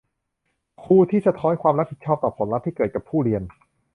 ครูที่สะท้อนความรับผิดชอบต่อผลลัพธ์ที่เกิดกับผู้เรียน